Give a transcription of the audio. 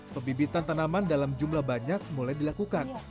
pebibitan tanaman dalam jumlah banyak mulai dilakukan